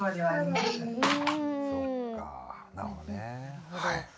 はい。